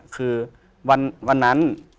คือวันนั้น